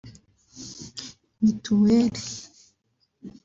mituweli